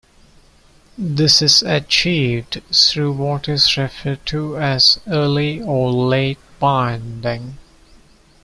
This is achieved through what is referred to as Early or Late Binding.